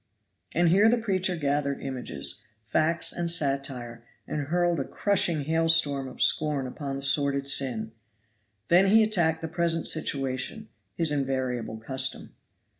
And here the preacher gathered images, facts and satire, and hurled a crushing hailstorm of scorn upon the sordid sin. Then he attacked the present situation (his invariable custom).